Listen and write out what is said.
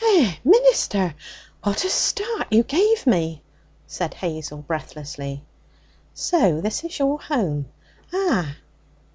'Eh, mister! what a start you give me!' said Hazel breathlessly. 'So this is your home?' 'Ah!'